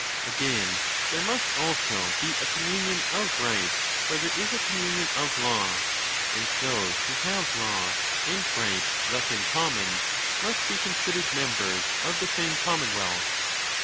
Again, there must also be a communion of right where there is a communion of law. And those who have law and right thus in common, must be considered members of the same commonwealth.